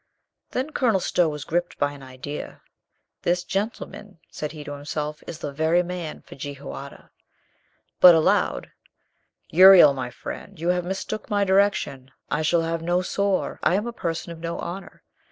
Then Colonel Stow was gripped by an idea. "This gentleman," said he to himself, "is the very man for Jehoiada." But aloud: "Uriel, my friend, you have mistook my direction. I shall have no sore. I am a person of no honor.